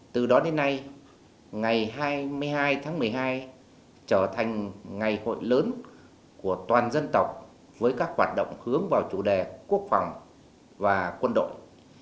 từ đó đến nay ngày hai mươi hai tháng một mươi hai trở thành ngày hội lớn của toàn dân tộc với các hoạt động hướng vào chủ đề quốc phòng và quân đội